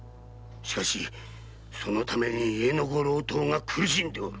しかしそのために家の子郎等が苦しんでおる。